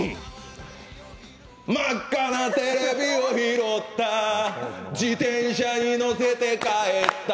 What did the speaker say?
真っ赤なテレビを拾った自転車に乗せて帰った。